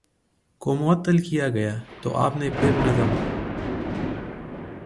کو معطل کیا گیا تو آپ نے پھر نظم